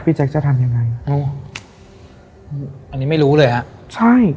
แจ๊คจะทำยังไงโอ้อันนี้ไม่รู้เลยฮะใช่